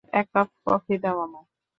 এক cup coffee দাও আমায়।